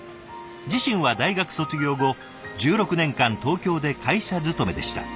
自身は大学卒業後１６年間東京で会社勤めでした。